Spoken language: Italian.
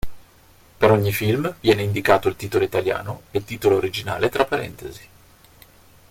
Per ogni film viene indicato il titolo italiano e titolo originale tra parentesi.